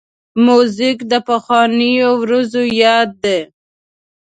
موزیک د پخوانیو ورځو یاد دی.